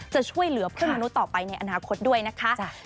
จะช่วยเหลือเพื่อนมนุษย์ต่อไปในอนาคตด้วยนะคะ